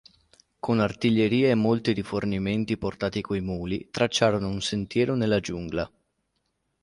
Con artiglieria e molti rifornimenti portati coi muli tracciarono un sentiero nella giungla.